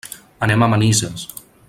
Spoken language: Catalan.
Anem a Manises.